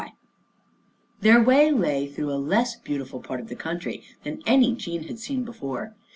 Their way lay through a less beautiful part of the country than any Jean had seen before.